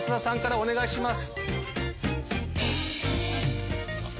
お願いします。